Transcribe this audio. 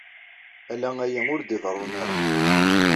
Ala aya ur d-iḍerrun ara.